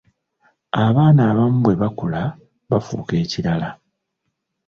Abaana abamu bwe bakula bafuuka ekilala.